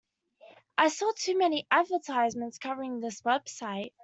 I saw too many advertisements covering this website.